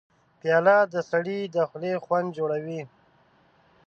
پیاله د سړي د خولې خوند جوړوي.